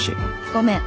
ごめん。